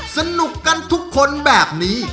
สนุกกันทุกคนแบบนี้